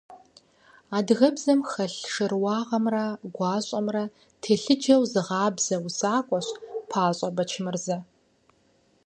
Адыгэбзэм хэлъ шэрыуагъэмрэ гуащӀэмрэ телъыджэу зыгъабзэ усакӀуэщ ПащӀэ Бэчмырзэ.